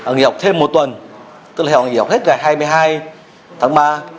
nghỉ học thêm một tuần tức là nghỉ học hết ngày hai mươi hai tháng ba